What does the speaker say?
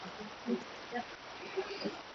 Wewe ni Mungu mkuu.